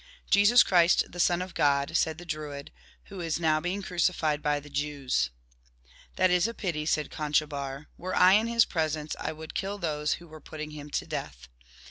"Jesus Christ, the son of God," said the Druid, "who is now being crucified by the Jews." "That is a pity," said Conchobar; "were I in his presence I would kill those who were put ting him to death."